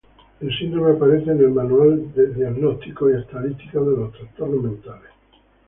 El síndrome aparece en el Manual diagnóstico y estadístico de los trastornos mentales.